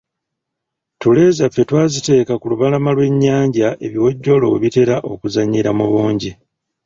Ttule zaffe twaziteeka ku lubalama lw’ennyanja ebiwojjolo we bitera okuzannyira mu bungi.